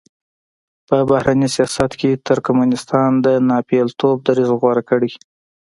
په بهرني سیاست کې ترکمنستان د ناپېیلتوب دریځ غوره کړی.